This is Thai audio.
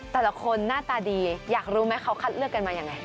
แต่ละคนหน้าตาดีอยากรู้ไหมเขาคัดเลือกกันมายังไง